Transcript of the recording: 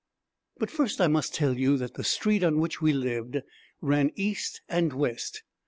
But first, I must tell you that the street on which we lived ran east and west.